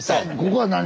ここは何？